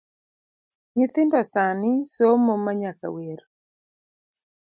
Nyithindo sani somomnyaka wer